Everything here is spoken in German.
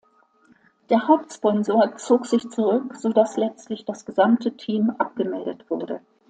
Der Hauptsponsor zog sich zurück, sodass letztlich das gesamte Team abgemeldet wurde.